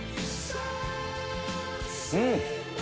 うん！